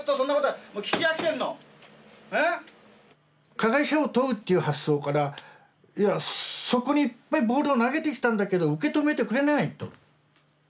加害者を問うっていう発想からそこにいっぱいボールを投げてきたんだけど受け止めてくれないと。